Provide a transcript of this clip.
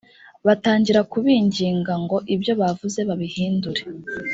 batangira kubinginga ngo ibyo bavuze babihindure